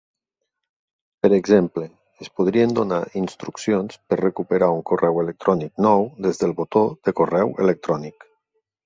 Per exemple, es podrien donar instruccions per recuperar un correu electrònic nou des del botó de correu electrònic.